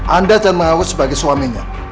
anda jangan menganggut sebagai suaminya